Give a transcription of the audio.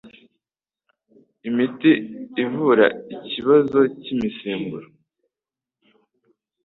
imiti ivura ikibazo cy'imisemburo